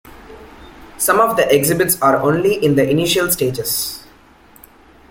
Some of the exhibits are only in their initial stages.